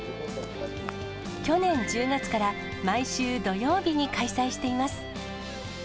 去年１０月から、毎週土曜日に開催しています。